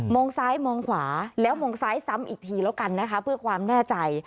งซ้ายมองขวาแล้วมองซ้ายซ้ำอีกทีแล้วกันนะคะเพื่อความแน่ใจ